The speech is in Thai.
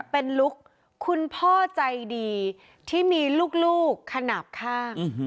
เป็นลุคคุณพ่อใจดีที่มีลูกขนาดข้าง